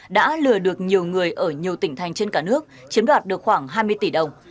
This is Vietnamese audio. đã lừa được nhiều người ở nhiều tỉnh thành trên cả nước chiếm đoạt được khoảng hai mươi tỷ đồng